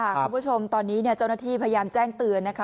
คุณผู้ชมตอนนี้เจ้าหน้าที่พยายามแจ้งเตือนนะคะ